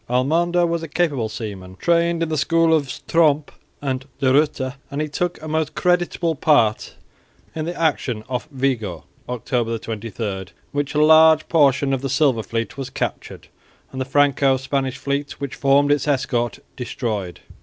Almonde was a capable seaman trained in the school of Tromp and De Ruyter; and he took a most creditable part in the action off Vigo, October 23, in which a large portion of the silver fleet was captured, and the Franco Spanish fleet, which formed its escort, destroyed.